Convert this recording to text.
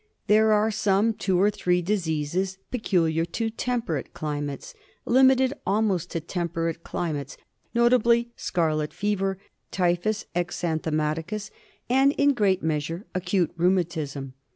There are some two or three diseases peculiar to temperate climates, limited almost to temperate climates — notably scarlet fever, typhus exanthematicus, and, in great measure, acute rheumatism.